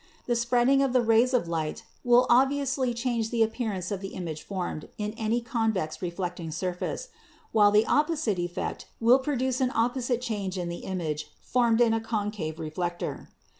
The spreading of the rays of light will obviously change the appearance of the image formed in any convex reflecting surface, while the oppo site effect will produce an opposite change in the image formed in a concave reflector.